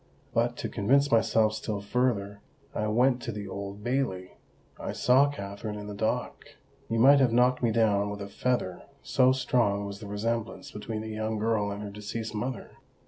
But, to convince myself still further, I went to the Old Bailey—I saw Katherine in the dock: you might have knocked me down with a feather, so strong was the resemblance between the young girl and her deceased mother!